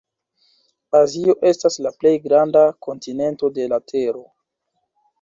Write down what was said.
Azio estas la plej granda kontinento de la tero.